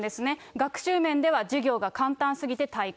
学習面では授業が簡単すぎて退屈。